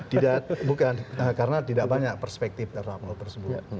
tidak bukan karena tidak banyak perspektif terhadap hal tersebut